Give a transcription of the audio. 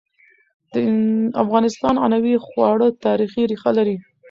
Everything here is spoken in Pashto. د افغانستان عنعنوي خواړه تاریخي ريښه لري.